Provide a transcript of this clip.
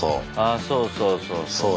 あそうそうそうそう。